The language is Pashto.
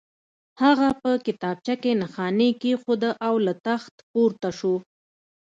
هغه په کتابچه کې نښاني کېښوده او له تخت پورته شو